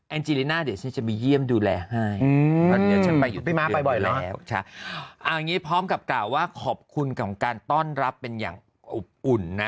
แอลเจรน่าเดี๋ยวฉันจะไปเยี่ยมดูแลให้พี่ม่าไปบ่อยเนี่ยพร้อมกับกล่าวว่าขอบคุณกับการต้อนรับเป็นอย่างอุ่นอุ่นนะ